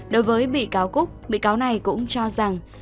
đối với vị cáo cúc vị cáo này cũng cho rằng